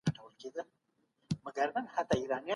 خندا د انسان روح تازه کوي.